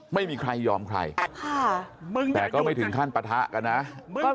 ไม่มีใครยอมใครแต่ก็ไม่ถึงขั้นปะทะกันนะ